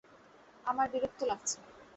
আমার বিরক্ত লাগছে!